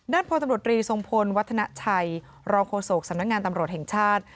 ด้านพตรรีสงพลวัฒนชัยรองโฆษกสำนักงานตำรวจแห่งชาติ